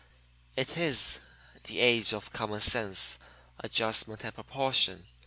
It is the age of common sense, adjustment, and proportion.